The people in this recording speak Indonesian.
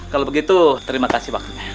kalau begitu terima kasih waktunya